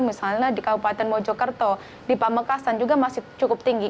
misalnya di kabupaten mojokerto di pamekasan juga masih cukup tinggi